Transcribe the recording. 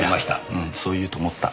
うんそう言うと思った。